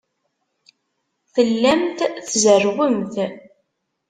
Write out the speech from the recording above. Tellamt tzerrwemt.